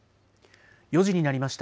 ４時になりました。